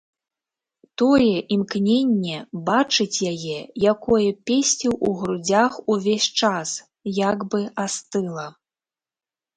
Тое імкненне бачыць яе, якое песціў у грудзях увесь час, як бы астыла.